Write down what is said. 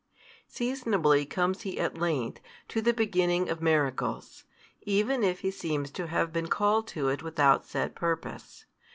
Seasonably comes He at length, to the beginning of miracles, even if He seems to have been called to it without set purpose.